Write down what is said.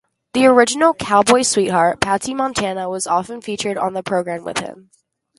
The original "cowboy's sweetheart," Patsy Montana, was often featured on the program with him.